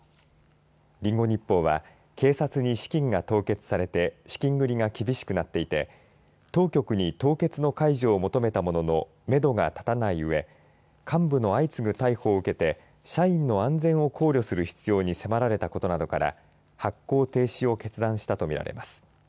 リンゴ日報は警察に資金が凍結されて資金繰りが厳しくなっていて当局に凍結の解除を求めたもののめどがたたないうえ幹部の相次ぐ逮捕を受けて社員の安全を考慮する必要に迫られたことなどから発行停止を決断したとみられます。